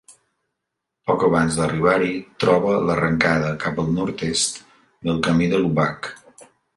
Poc abans d'arribar-hi, troba l'arrencada, cap al nord-est, del Camí de l'Obac.